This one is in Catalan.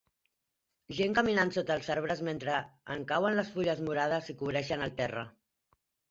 Gent caminant sota els arbres mentre en cauen les fulles morades i cobreixen el terra.